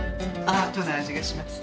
アートなあじがします。